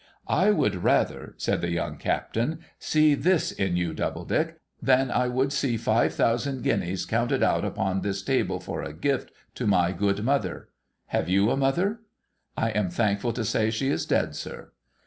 ' I would rather,' said the young Captain, ' see this in you, Double dick, than I would see five thousand guineas counted out upon this table for a gift to my good mother. Have you a mother?' ' I am thankful to say she is dead, sir.'